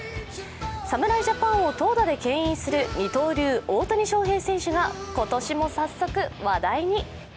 侍ジャパンを投打でけん引する二刀流・大谷翔平選手が今年も早速、話題に。